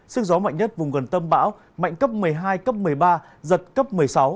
sức gió mạnh nhất vùng gần tâm bão mạnh cấp một mươi hai cấp một mươi ba giật cấp một mươi sáu